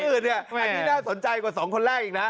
อันนี้น่าสนใจกว่า๒คนแรกอีกนะ